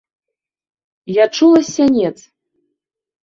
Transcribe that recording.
Я чула з сянец.